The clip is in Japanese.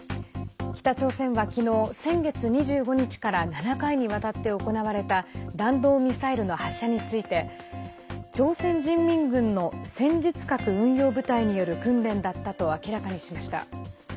北朝鮮は昨日、先月２５日から７回にわたって行われた弾道ミサイルの発射について朝鮮人民軍の戦術核運用部隊による訓練だったと明らかにしました。